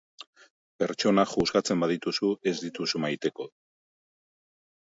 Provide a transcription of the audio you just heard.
Pertsonak juzgatzen badituzu ez dituzu maiteko